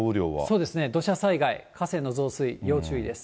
そうですね、土砂災害、河川の増水、要注意です。